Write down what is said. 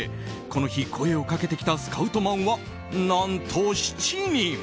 この日、声をかけてきたスカウトマンは何と７人！